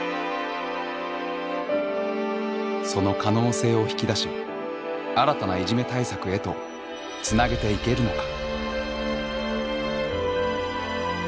その可能性を引き出し新たないじめ対策へとつなげていけるのか。